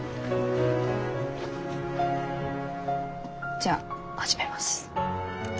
じゃあ始めます。